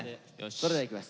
それではいきます。